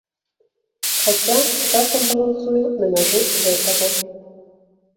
Хаця, часам балансуе на мяжы гэтага.